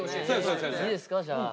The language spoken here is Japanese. いいですかじゃあ。